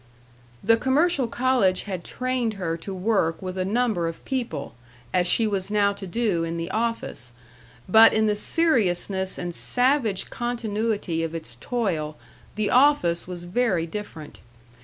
The commercial college had trained her to work with a number of people, as she was now to do in the office; but in the seriousness and savage continuity of its toil, the office was very different.